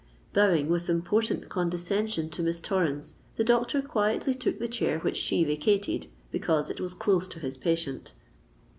Bowing with important condescension to Miss Torrens, the doctor quietly took the chair which she vacated, because it was close to his patient.